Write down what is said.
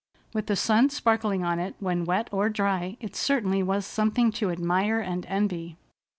With the sun sparkling on it when wet or dry, it certainly was something to admire and envy.